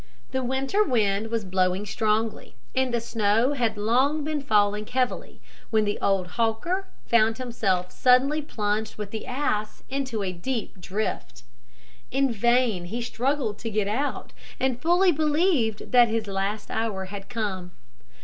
The winter wind was blowing strongly, and snow had long been falling heavily, when the old hawker found himself suddenly plunged with the ass into a deep drift. In vain he struggled to get out, and fully believed that his last hour had come.